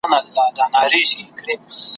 په سپین سر ململ پر سر `